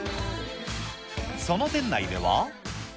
その店内では。